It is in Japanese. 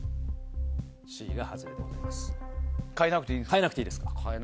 変えなくていいんですか？